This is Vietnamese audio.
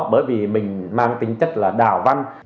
bởi vì mình mang tính chất là đạo văn